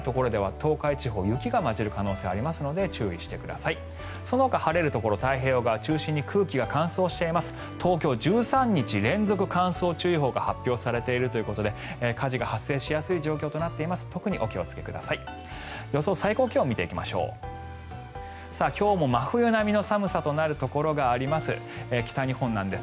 東京は１３日連続で乾燥注意報が発表されているということで火事が発生しやすい状況となっています。